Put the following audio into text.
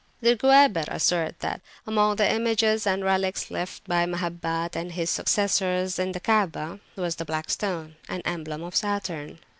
The Guebers assert that, among the images and relics left by Mahabad and his successors in the Kaabah, was the Black Stone, an emblem of Saturn.